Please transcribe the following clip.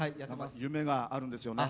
夢があるんですよね？